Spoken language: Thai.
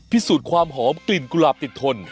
พิสูจน์ความหอมกลิ่นกุหลาบติดทน